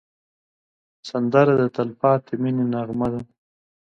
سندره د تل پاتې مینې نغمه ده